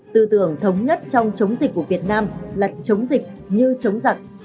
tư tưởng thống nhất trong chống dịch của việt nam là chống dịch như chống giặc